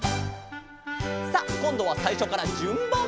「」さあこんどはさいしょからじゅんばん！